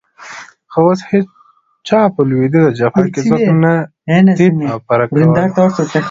خو اوس هېڅ چا په لوېدیځه جبهه کې څوک نه تیت او پرک کول.